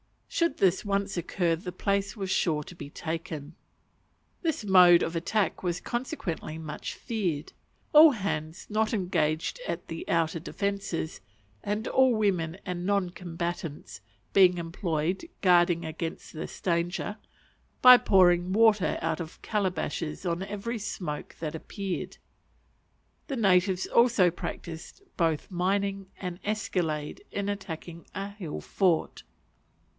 Should this once occur the place was sure to be taken. This mode of attack was consequently much feared; all hands not engaged at the outer defences, and all women and non combatants, being employed guarding against this danger, by pouring water out of calabashes on every smoke that appeared. The natives also practised both mining and escalade in attacking a hill fort.